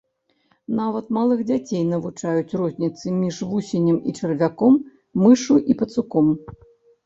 Нават малых дзяцей навучаюць розніцы між вусенем і чарвяком, мышшу і пацуком.